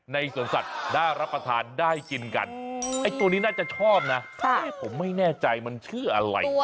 สวนสัตว์น่ารับประทานได้กินกันไอ้ตัวนี้น่าจะชอบนะผมไม่แน่ใจมันชื่ออะไร